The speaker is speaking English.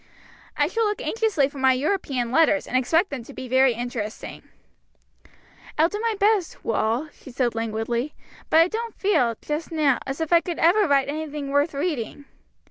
"I shall look anxiously for my European letters, and expect them to be very interesting." "I'll do my best, Wal," she said languidly, "but I don't feel, just now, as if I could ever write anything worth reading."